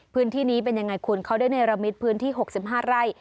พื้นที่นี้เป็นยังไงคุณเขาได้เนรมิตพื้นที่๖๕ไร่